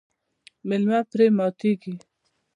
میلمه پرې ماتیږي.